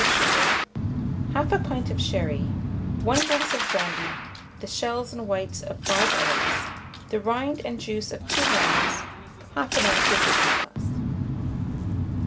of sugar, 1/2 pint of sherry, 1 glass of brandy, the shells and whites of 5 eggs, the rind and juice of 2 lemons, 1/2 oz. of isinglass.